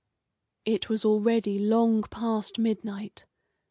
It was already long past midnight.